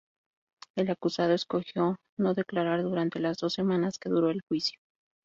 El acusado escogió no declarar durante las dos semanas que duró el juicio.